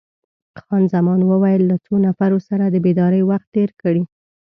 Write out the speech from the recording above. خان زمان وویل: له څو نفرو سره د بېدارۍ وخت تیر کړی؟